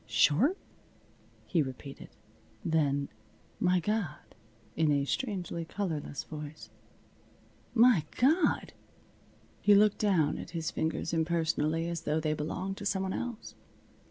"Short?" he repeated. Then, "My God!" in a strangely colorless voice "My God!" He looked down at his fingers impersonally, as though they belonged to some one else.